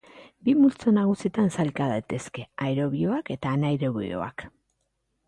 Bi multzo nagusitan sailka daitezke: aerobioak eta anaerobioak.